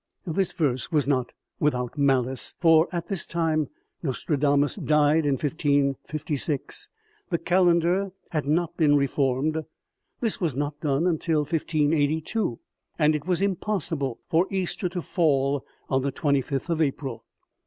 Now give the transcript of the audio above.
This verse was not with out malice, for at this time (Nostradamus died in 1556) the calendar had not been reformed ; this was not done until 1582, and it was impossible for Easter to fall on the twenty fifth of April.